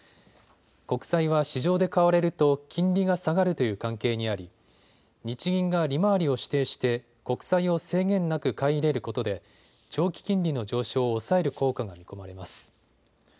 国債は市場で買われると金利が下がるという関係にあり日銀が利回りを指定して国債を制限なく買い入れることで長期金利の上昇を抑える効果が見込まれます。